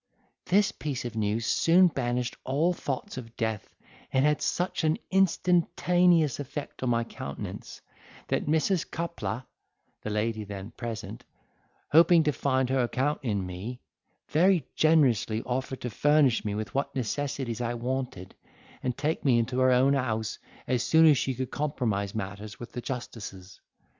'This piece of news soon banished all thoughts of death, and had such an instantaneous effect on my countenance, that Mrs. Coupler (the lady then present), hoping to find her account in me, very generously offered to furnish me with what necessaries I wanted, and take me into her own house as soon as she could compromise matters with the justices.